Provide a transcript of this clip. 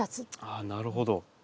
ああなるほど。